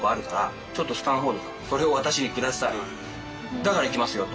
「だから行きますよ」と。